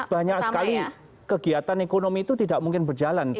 banyak sekali kegiatan ekonomi itu tidak mungkin berjalan